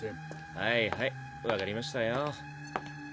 はいはいわかりましたよ。